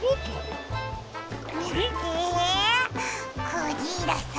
クジラさん。